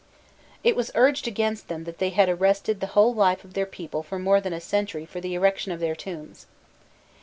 It was urged against them that they had arrested the whole life of their people for more than a century for the erection of their tombs.